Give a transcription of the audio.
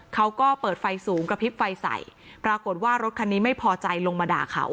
เขาก็เปิดไฟสูงกระพริบไฟใส่ปรากฏว่ารถคันนี้ไม่พอใจลงมาด่าเขา